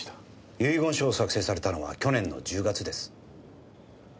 遺言書を作成されたのは去年の１０月です。